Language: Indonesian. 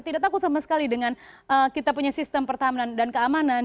tidak takut sama sekali dengan kita punya sistem pertahanan dan keamanan